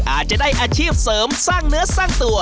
อาจจะได้อาชีพเสริมสร้างเนื้อสร้างตัว